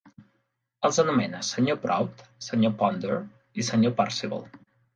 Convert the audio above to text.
Els anomena Sr. Proud, Sr. Ponder i Sr. Percival.